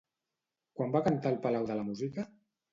Quan va cantar al Palau de la Música?